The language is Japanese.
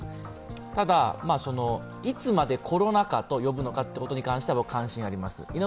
ただ、いつまでコロナ禍と呼ぶのかということに関しては関心かがあります。